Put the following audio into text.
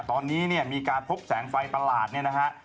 ตอนนี้เนี่ยมีการพบแสงไฟประหลาดเนี่ยนะฮะ